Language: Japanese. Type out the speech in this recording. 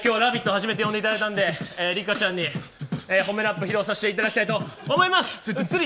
初めて呼んでいただいたんで、六花ちゃんに褒めラップ披露させていただきたいと思います。